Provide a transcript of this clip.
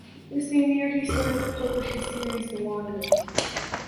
The same year he started to publish his series “The Wanderers”.